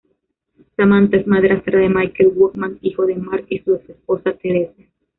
Samantha es madrastra de Michael Womack, hijo de Mark y su ex-esposa Therese.